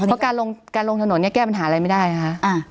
เพราะการลงถนนเนี่ยแก้ปัญหาอะไรไม่ได้นะคะ